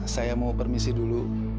saya mau permisi dulu